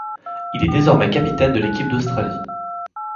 Il est désormais capitaine de l'équipe d'Australie.